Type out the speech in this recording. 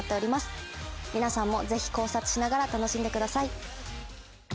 皆さんもぜひ考察しながら楽しんでください。